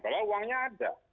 padahal uangnya ada